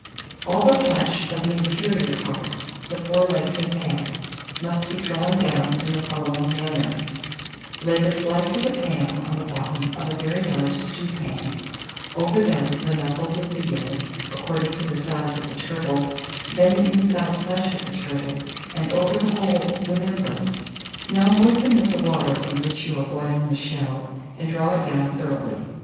All the flesh of the interior parts, the four legs and head, must be drawn down in the following manner: Lay the slices of ham on the bottom of a very large stewpan, over them the knuckles of veal, according to the size of the turtle; then the inside flesh of the turtle, and over the whole the members. Now moisten with the water in which you are boiling the shell, and draw it down thoroughly.